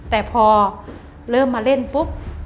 แต่พอเริ่มมาเล่นปุ๊บ